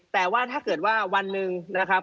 แต่ว่าถ้าเกิดว่าวันหนึ่งนะครับ